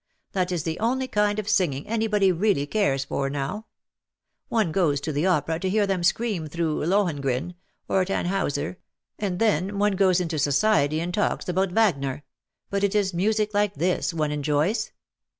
That is the only kind of singing any body really cares for now. One goes to the opera to hear them scream through ^ Lohengrin'' — or ^ Tannhiiuser^ — and then one goes into society and talks about Wagner — but it is music like this one enjoys."